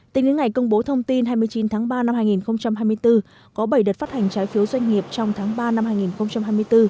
tính đến ngày công bố thông tin hai mươi chín tháng ba năm hai nghìn hai mươi bốn có bảy đợt phát hành trái phiếu doanh nghiệp trong tháng ba năm hai nghìn hai mươi bốn